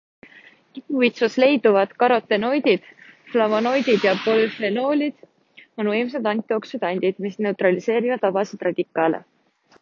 Kibuvitsas leiduvad karotenoidid, flavonoidid ja polüfenoolid on võimsad antioksüdandid, mis neutraliseerivad vabasid radikaale.